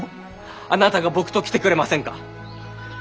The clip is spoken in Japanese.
あなたが僕と来てくれませんか？